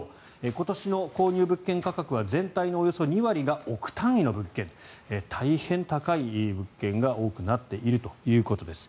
今年の購入物件価格は全体のおよそ２割が億単位の物件大変高い物件が多くなっているということです。